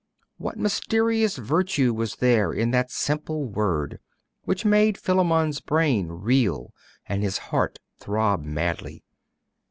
What mysterious virtue was there in that simple word, which made Philammon's brain reel and his heart throb madly?